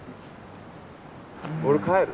俺帰る！